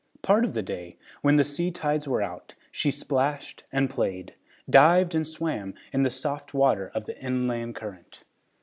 Part of the day, when the sea tides were out, she splashed and played, dived and swam in the soft water of the inland current.